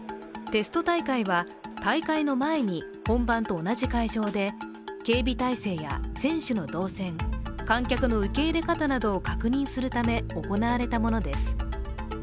テスト大会は大会の前に本番と同じ会場で警備態勢や選手の動線、観客の受け入れ方などを確認するため行われたものです。